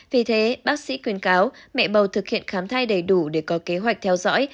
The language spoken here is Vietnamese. vì thế bác sĩ khuyên cáo mẹ bầu thực hiện khám thai đầy đủ để có kế hoạch theo dõi